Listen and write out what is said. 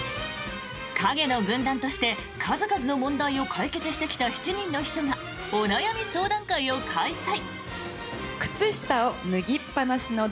影の軍団として数々の問題を解決してきた７人の秘書がお悩み相談会を開催。